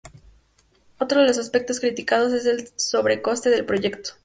Otro de los aspectos criticados es el sobrecoste del proyecto.